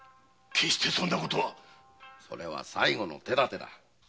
決してそんなことはそれは最後の手だてだ。